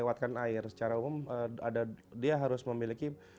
batuan harus memiliki